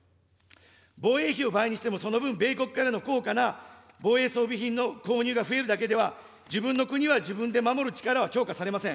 防衛費を倍にしても、その分、米国からの高価な防衛装備品の購入が増えるだけでは、自分の国は自分で守る力は強化されません。